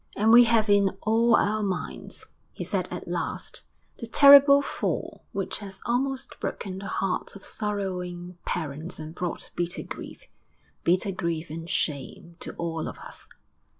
'And we have in all our minds,' he said at last, 'the terrible fall which has almost broken the hearts of sorrowing parents and brought bitter grief bitter grief and shame to all of us.'...